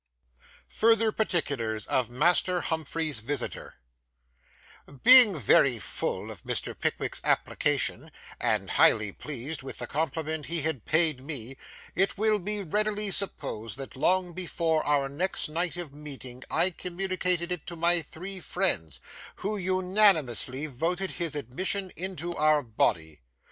FURTHER PARTICULARS OF MASTER HUMPHREY'S VISITOR Being very full of Mr. Pickwick's application, and highly pleased with the compliment he had paid me, it will be readily supposed that long before our next night of meeting I communicated it to my three friends, who unanimously voted his admission into our body.